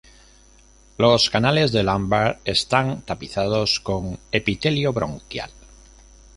Los canales de Lambert están tapizados con epitelio bronquial.